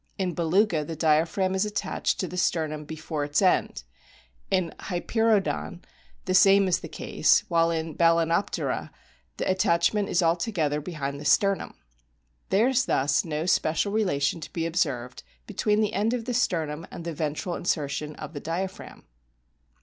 In Beluga the diaphragm is attached to the sternum before its end ; in Hyperoodon the same is the case ; while in Balcenoptera the attachment is altogether behind the sternum. There is thus no special relation to be observed between the end of the sternum and the ventral insertion of the diaphragm.